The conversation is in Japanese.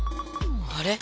あれ？